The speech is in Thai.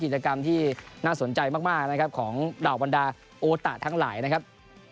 กิจกรรมที่น่าสนใจมากนะครับของเหล่าบรรดาโอตะทั้งหลายนะครับ